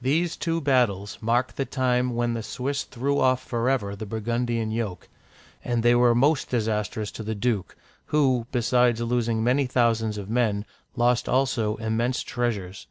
These two battles mark the time when the Swiss threw off forever the Burgundian yoke ; and they were most dis astrous to the duke, who, besides losing many thousands of men, lost also immense treasures.